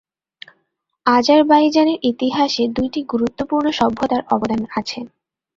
আজারবাইজানের ইতিহাসে দুইটি গুরুত্বপূর্ণ সভ্যতার অবদান আছে।